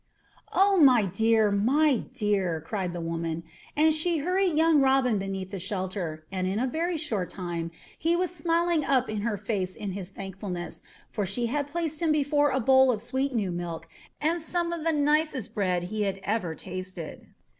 "Oh, my dear, my dear!" cried the woman. And she hurried young Robin beneath the shelter, and in a very short time he was smiling up in her face in his thankfulness, for she had placed before him a bowl of sweet new milk and some of the nicest bread he had ever tasted.